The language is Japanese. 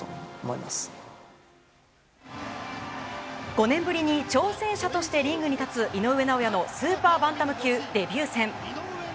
５年ぶりに挑戦者としてリングに立つ、井上尚弥のスーパーバンタム級デビュー戦。